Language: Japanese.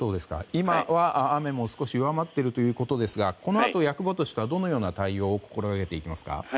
今は、雨も少し弱まっているということですがこのあと役場としてはどのような対応を心がけていきますか。